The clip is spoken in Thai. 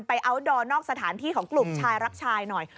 อัลดอร์นอกสถานที่ของกลุ่มชายรักชายหน่อย